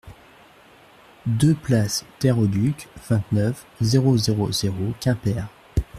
deux place Terre au Duc, vingt-neuf, zéro zéro zéro, Quimper